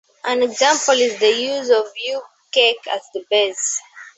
An example is the use of ube cake as the base.